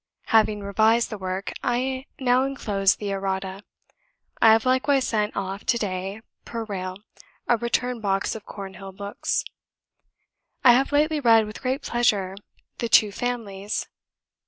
Having revised the work, I now enclose the errata. I have likewise sent off to day, per rail, a return box of Cornhill books. "I have lately read with great pleasure, 'The Two Families.'